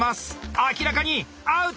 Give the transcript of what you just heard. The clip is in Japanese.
明らかにアウト！